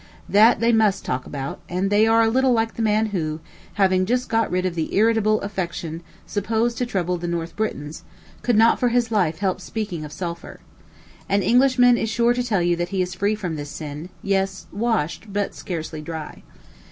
That they must talk about; and they are a little like the man who, having just got rid of the irritable affection supposed to trouble the North Britons, could not for his life help speaking of sulphur. An Englishman is sure to tell you that he is free from this sin yes, washed, but scarcely dry.